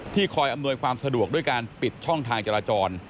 คอยอำนวยความสะดวกด้วยการปิดช่องทางจราจร